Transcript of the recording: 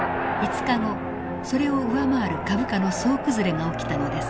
５日後それを上回る株価の総崩れが起きたのです。